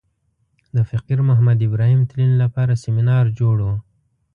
د فقیر محمد ابراهیم تلین لپاره سمینار جوړ و.